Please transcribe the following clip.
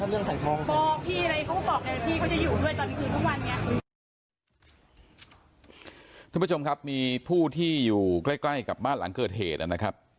ท่านผู้ชมครับมีผู้ที่อยู่ใกล้ใกล้กับบ้านหลังเกิดเหตุนะครับ